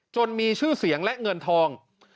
มีชื่อเสียงและเงินทอง